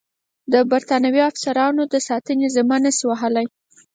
د برټانوي افسرانو د ساتنې ذمه نه شي وهلای.